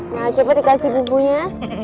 nah coba dikasih bumbunya